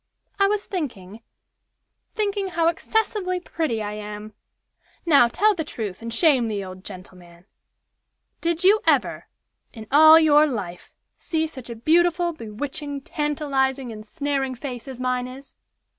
I was thinking thinking how excessively pretty I am. Now, tell the truth, and shame the old gentleman. Did you ever, in all your life, see such a beautiful, bewitching, tantalizing, ensnaring face as mine is?"